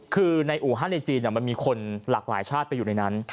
คือในอู่ฮั่นในจีนมันมีคนหลากหลายชาติไปอยู่ในนั้น